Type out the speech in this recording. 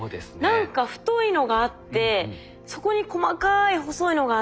何か太いのがあってそこに細かい細いのがあって。